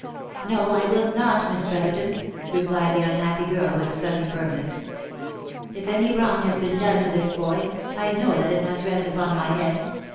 " No, I will not, Miss Brotherton," replied the unhappy girl with sudden firmness. " If any wrong has been done to this boy, I know that it must rest upon my head.